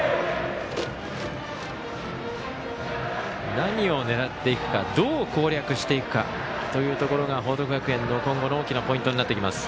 何を狙っていくかどう攻略していくかというところ報徳学園の今後の大きなポイントになってきます。